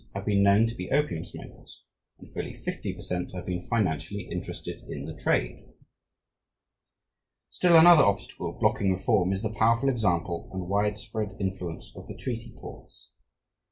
have been known to be opium smokers, and fully fifty per cent. have been financially interested in the trade. Still another obstacle blocking reform is the powerful example and widespread influence of the treaty ports.